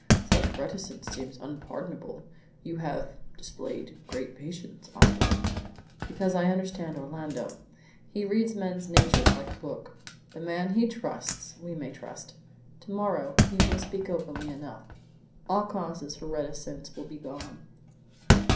"Such reticence seems unpardonable. You have displayed great patience, Oswald." "Because I understand Orlando. He reads men's natures like a book. The man he trusts, we may trust. To morrow, he will speak openly enough. All cause for reticence will be gone."